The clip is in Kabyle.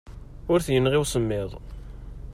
Ur t-yenɣi usemmiḍ.